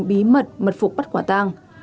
bí mật mật phục bắt quả tàng